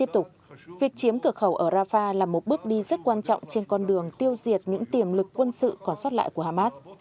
tiếp tục việc chiếm cửa khẩu ở rafah là một bước đi rất quan trọng trên con đường tiêu diệt những tiềm lực quân sự còn sót lại của hamas